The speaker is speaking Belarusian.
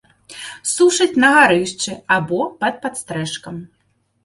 Сушаць на гарышчы або пад падстрэшкам.